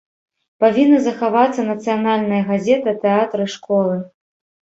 Павінны захавацца нацыянальныя газеты, тэатры, школы.